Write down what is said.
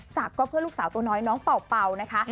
ศักดิ์ก็เพื่อลูกสาวตัวน้อยน้องเป่านะคะ